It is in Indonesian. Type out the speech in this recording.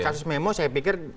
kasus memo saya pikir